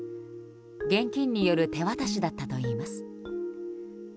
現金による手渡しだったといいます。